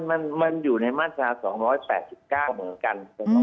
มันอยู่ในมาตรา๒๘๙เหมือนกัน